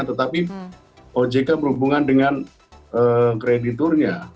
tetapi ojk berhubungan dengan krediturnya